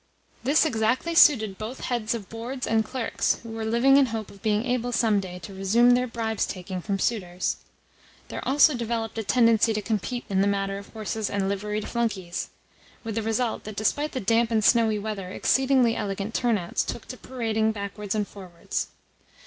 This exactly suited both heads of boards and clerks who were living in hope of being able some day to resume their bribes taking from suitors. There also developed a tendency to compete in the matter of horses and liveried flunkeys; with the result that despite the damp and snowy weather exceedingly elegant turnouts took to parading backwards and forwards.